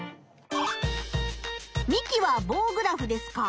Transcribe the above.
ミキは棒グラフですか。